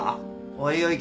おいおい。